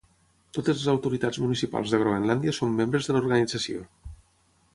Totes les autoritats municipals de Groenlàndia són membres de l'organització.